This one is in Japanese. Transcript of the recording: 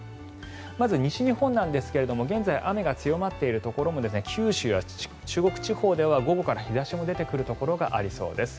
まず西日本なんですが現在、雨が強まっているところも九州や中国地方では午後から日差しが出てくるところがありそうです。